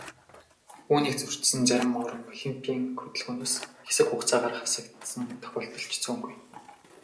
Үүнийг зөрчсөн зарим орон олимпын хөдөлгөөнөөс хэсэг хугацаагаар хасагдсан тохиолдол ч цөөнгүй.